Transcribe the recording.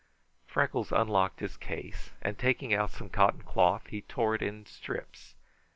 Freckles unlocked his case, and taking out some cotton cloth, he tore it in strips.